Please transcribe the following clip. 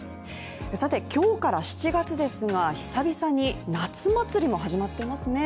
今日から７月ですが、久々に夏祭りも始まっていますね。